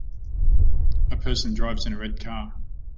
A person drives in a red car.